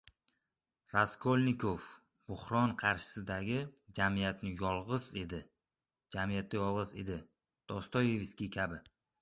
• Raskolnikov buhron qarshisidagi jamiyatda yolg‘iz edi, Dostoyevskiy kabi.